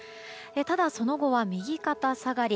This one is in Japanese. ただ、その後は右肩下がり。